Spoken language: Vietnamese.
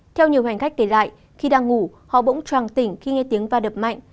theo nhiều hành khách kể lại khi đang ngủ họ bỗng tròn tỉnh khi nghe tiếng va đập mạnh